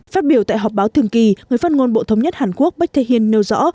phát biểu tại họp báo thường kỳ người phát ngôn bộ thống nhất hàn quốc baek tae hin nêu rõ